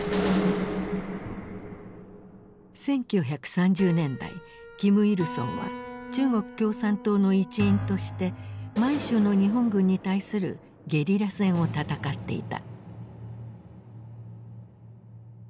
１９３０年代金日成は中国共産党の一員として満州の日本軍に対するゲリラ戦を戦っていた。